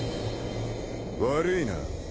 悪いな。